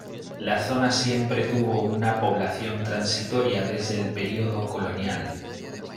La zona siempre tuvo una población transitoria desde el período colonial.